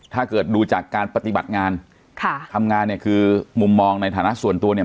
ถ้าเกิดดูจากการปฏิบัติงานค่ะทำงานเนี่ยคือมุมมองในฐานะส่วนตัวเนี่ย